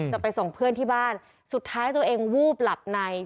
จะไปส่งเพื่อนที่บ้านสุดท้ายตัวเองวูบหลับใน